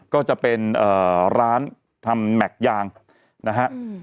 ก็จะเป็นเอ่อร้านทำแมคยางนะฮะอืม